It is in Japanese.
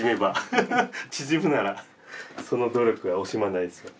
縮むならその努力は惜しまないです。